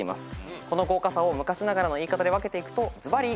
この豪華さを昔ながらの言い方で分けていくとずばり。